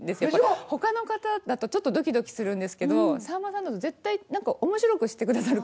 他の方だとちょっとドキドキするんですけどさんまさんだと絶対面白くしてくださるから。